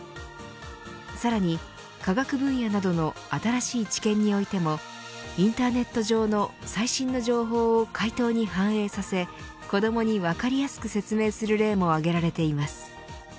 さらに科学分野などの新しい知見においてもインターネット上の最新の情報を回答に反映させ子どもに分かりやすく説明する例も挙げられています。